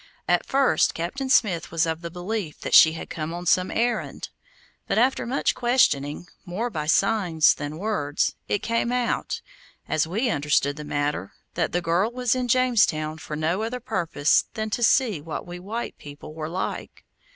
At first Captain Smith was of the belief that she had come on some errand; but after much questioning, more by signs than words, it came out, as we understood the matter, that the girl was in Jamestown for no other purpose than to see what we white people were like.